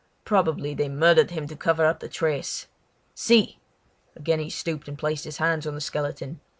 Probably they murdered him to cover up the trace. See!" again he stooped and placed his hands on the skeleton.